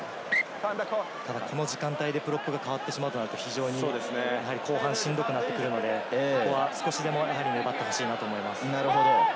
この時間帯でプロップが変わると非常に後半しんどくなってくるので、ここは少しでも粘ってほしいと思います。